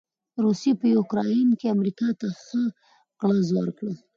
روسې په يوکراين کې امریکا ته ښه ګړز ورکړ.